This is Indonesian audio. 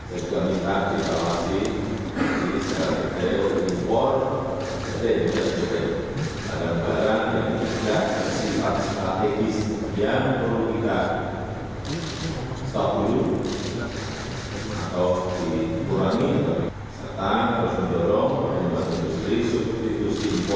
setelah berbenturong penyelenggara industri substitusi impor